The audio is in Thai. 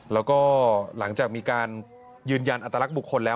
แล้วก็หลังจากมีการยืนยันอัตลักษณ์บุคคลแล้ว